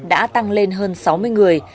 đã tăng lên hơn sáu mươi người